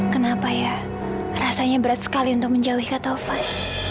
kenapa ya rasanya berat sekali untuk menjauh ke taufan